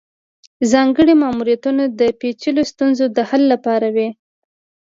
ځانګړي ماموریتونه د پیچلو ستونزو د حل لپاره وي